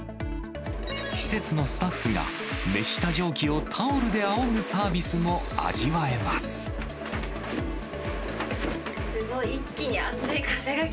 施設のスタッフが熱した蒸気をタオルであおるサービスも味わえますごい！